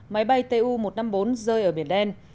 máy bay tu một trăm năm mươi bốn rơi ở biển đen